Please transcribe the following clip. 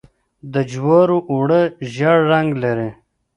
د جوارو اوړه ژیړ رنګ لري.